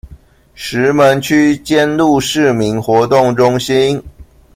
石門區尖鹿市民活動中心